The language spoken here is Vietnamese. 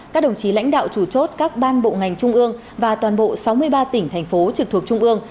các đồng chí lãnh đạo chủ chốt các ban bộ ngành trung ương và toàn bộ sáu mươi ba tỉnh thành phố trực thuộc trung ương